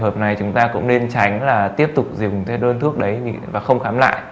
hợp này chúng ta cũng nên tránh là tiếp tục dùng đơn thuốc đấy và không khám